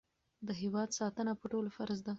د هېواد ساتنه په ټولو فرض ده.